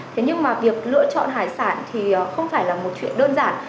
thế nhưng mà việc lựa chọn hải sản thì không phải là một chuyện đơn giản